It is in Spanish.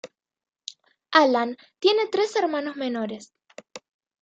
Alan tiene tres hermanos menores.